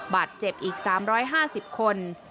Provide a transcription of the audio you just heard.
บาดเจ็บอีก๓๕๐คน